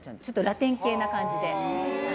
ラテン系な感じで。